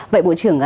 vậy bộ trưởng